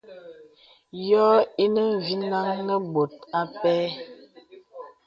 Yɔ̄ ìnə mvinəŋ nə bɔ̀t a pɛ.